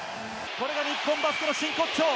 これが日本バスケの真骨頂！